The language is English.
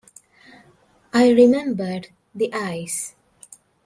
I remembered the eyes.